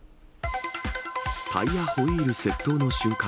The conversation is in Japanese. タイヤホイール窃盗の瞬間。